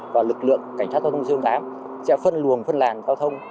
và lực lượng cảnh sát giao thông c tám sẽ phân luồng phân làng giao thông